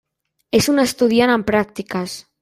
És un estudiant en pràctiques.